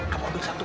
kamu ambil satu